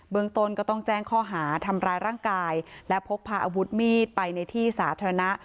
เมืองต้นก็ต้องแจ้งข้อหาทำร้ายร่างกายและพกพาอาวุธมีดไปในที่สาธารณะ